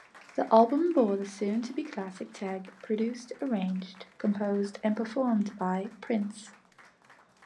The album bore the soon-to-be classic tag "produced, arranged, composed, and performed by Prince".